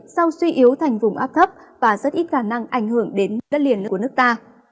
sau suy yếu thành vùng áp thấp và rất ít khả năng ảnh hưởng đến đất liền của nước ta